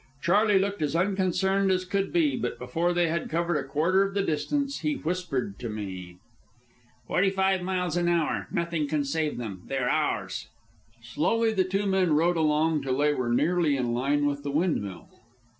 Charley looked as unconcerned as could be, but before they had covered a quarter of the distance, he whispered to me: "Forty five miles an hour...nothing can save them...they are ours!" Slowly the two men rowed along till they were nearly in line with the windmill.